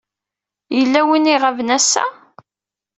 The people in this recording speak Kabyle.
Yella win ay iɣaben ass-a?